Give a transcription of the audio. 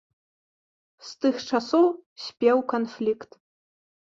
З тых часоў спеў канфлікт.